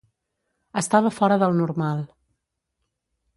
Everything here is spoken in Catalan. Estava fora del normal.